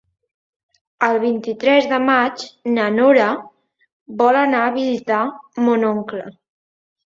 El vint-i-tres de maig na Nora vol anar a visitar mon oncle.